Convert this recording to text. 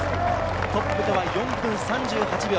トップとは４分３８秒。